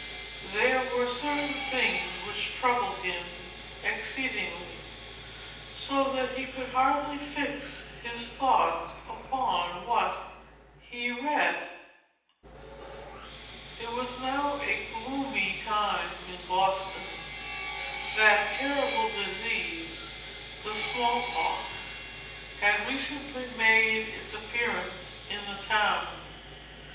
There were certain things which troubled him exceedingly, so that he could hardly fix his thoughts upon what he read. It was now a gloomy time in Boston. That terrible disease, the small pox, had recently made its appearance in the town.